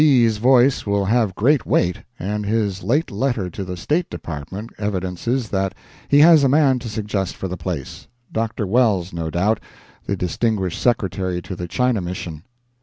B.'s voice will have great weight, and his late letter to the State Department evidences that he has a man to suggest for the place—Dr. Wells, no doubt, the distinguished Secretary to the China mission.